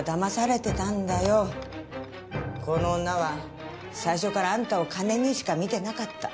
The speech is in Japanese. この女は最初からあんたを金にしか見てなかった。